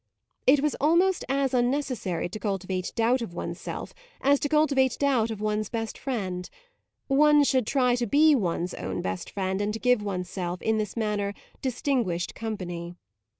It was almost as unnecessary to cultivate doubt of one's self as to cultivate doubt of one's best friend: one should try to be one's own best friend and to give one's self, in this manner, distinguished company.